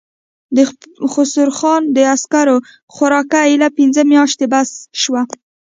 د خسرو خان د عسکرو خوراکه اېله پنځه مياشتې بس شوه.